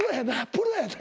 プロやな？